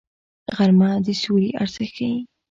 غرمه د سیوري ارزښت ښيي